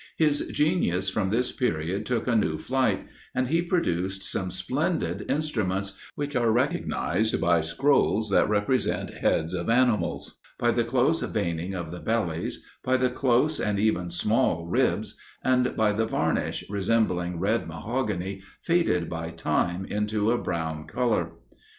His genius from this period took a new flight, and he produced some splendid instruments, which are recognised by scrolls that represent heads of animals, by the close veining of the bellies, by the close and even small ribs, and by the varnish, resembling red mahogany faded by time into a brown colour.